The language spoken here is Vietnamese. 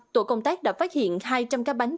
tổ công tác đã phát hiện hai trăm linh cá bánh